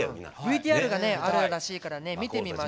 ＶＴＲがあるらしいから見てみましょう。